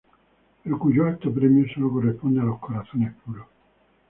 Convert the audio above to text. Pero cuyo alto premio solo corresponde a los corazones puros.